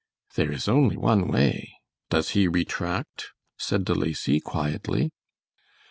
"There is only one way. Does he retract?" said De Lacy, quietly.